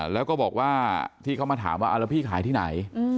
แล้วก็บอกว่าที่เขามาถามว่าแล้วพี่ขายที่ไหน